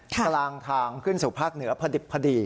กำลังทางขึ้นสู่ภาคเหนือพระดิบ